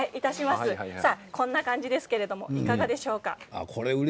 こんな感じですけれどもいかがでしょうか？